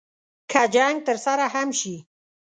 که جنګ ترسره هم شي.